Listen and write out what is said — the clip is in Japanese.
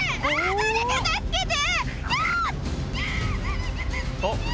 誰か助けて！